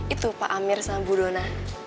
itu pak amir sama bu dona